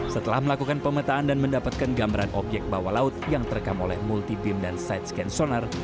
setelah melakukan pemetaan dan mendapatkan gambaran obyek bawah laut yang terekam oleh multi beam dan side scan sonar